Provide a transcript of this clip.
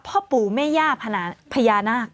พ่อปู่แม่ย่าพญานาค